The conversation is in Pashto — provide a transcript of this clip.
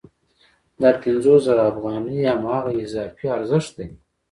دا پنځوس زره افغانۍ هماغه اضافي ارزښت دی